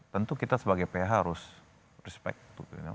tentu kita sebagai ph harus respect